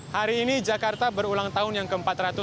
hari ini jakarta berulang tahun yang ke empat ratus sembilan puluh